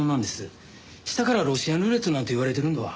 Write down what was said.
したからロシアンルーレットなんて言われてるんだわ。